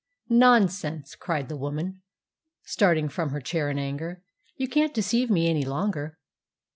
"Nonsense!" cried the woman, starting from her chair in anger. "You can't deceive me any longer."